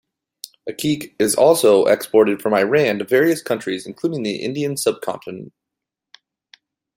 Akik is also exported from Iran to various countries including the Indian subcontinent.